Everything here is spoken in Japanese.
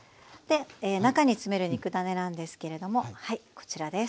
中に詰める肉ダネなんですけれどもはいこちらです。